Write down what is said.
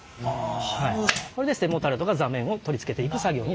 それで背もたれとか座面を取り付けていく作業になります。